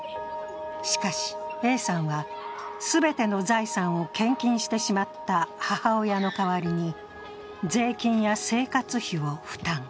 しかし、Ａさんは全ての財産を献金してしまった母親の代わりに税金や生活費を負担。